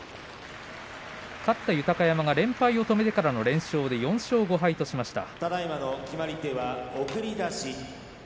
勝った豊山が連敗を止めてからの連勝で４勝５敗としました。